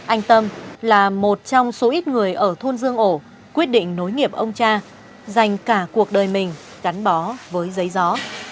anh tâm là một trong số ít người ở thôn dương ổ quyết định nối nghiệp ông cha dành cả cuộc đời mình gắn bó với giấy gió